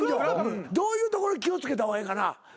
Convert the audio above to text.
どういうところ気を付けた方がええかな？